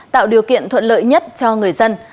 tạo điều kiện thuận lợi nhất cho người dân